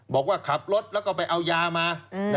บอกว่าขับรถแล้วก็ไปเอายามา